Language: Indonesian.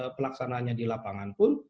pelaksanaannya di lapangan pun